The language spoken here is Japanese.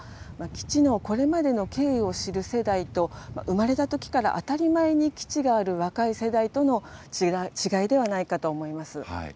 基地のこれまでの経緯を知る世代と、生まれたときから当たり前に基地がある若い世代との違いではないかと思います。